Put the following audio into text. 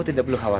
tidak ada apa apa